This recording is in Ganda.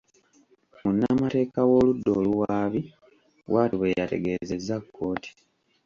Munnamateeka w'oludda oluwaabi bw'atyo bwe yategezezza kkooti.